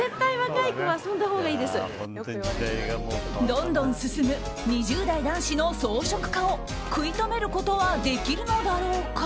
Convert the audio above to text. どんどん進む２０代男子の草食化を食い止めることはできるのだろうか。